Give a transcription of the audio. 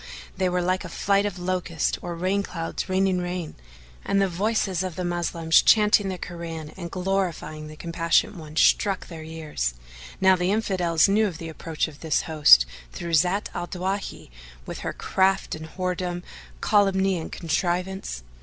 they were like a flight of locusts or rain clouds raining rain, and the voices of the Moslems chanting the Koran and glorifying the Compassionate One, struck their ears. Now the Infidels knew of the approach of this host through Zat al Dawahi with her craft and whoredom,[FN#435] calumny and contrivance.